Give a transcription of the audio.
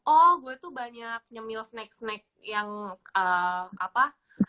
oh gue tuh banyak nyemil snack snack yang apa